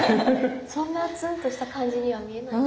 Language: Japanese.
そんなツンとした感じには見えない。